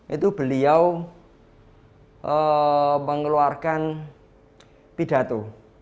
itu beliau mengeluarkan pidato